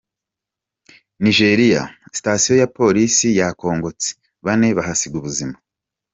Nijeriya Sitasiyo ya Polisi yakongotse, bane bahasiga ubuzima